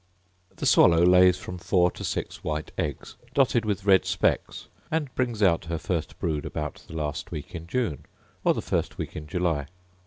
The swallow lays from four to six white eggs, dotted with red specks; and brings out her first brood about the last week in June, or the first week in July.